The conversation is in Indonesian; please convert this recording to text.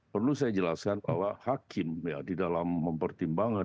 perlu saya jelaskan bahwa hakim ya di dalam mempertimbangkan